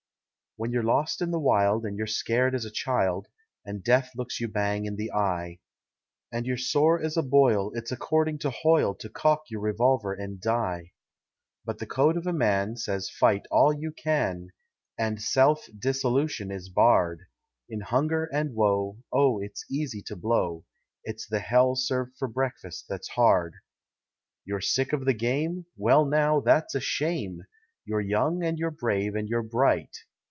When you're lost in the wild and you're scared as a child, And death looks you bang in the eye; And you're sore as a boil, it's according to Hoyle To cock your revolver and die. But the code of a man says fight all you can, And self dissolution is barred; In hunger and woe, oh it's easy to blow It's the hell served for breakfast that's hard. You're sick of the game? Well now, that's a shame! You're young and you're brave and you're bright.